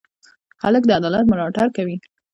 هلک د عدالت ملاتړ کوي.